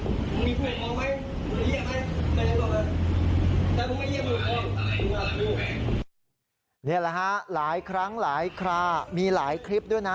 นี่แหละฮะหลายครั้งหลายครามีหลายคลิปด้วยนะ